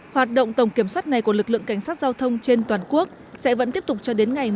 hoạt động tổng kiểm soát này của lực lượng cảnh sát giao thông trên toàn quốc sẽ vẫn tiếp tục cho đến ngày một mươi năm tháng tám